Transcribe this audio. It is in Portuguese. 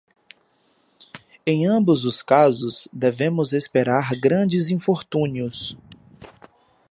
Em ambos os casos, devemos esperar grandes infortúnios.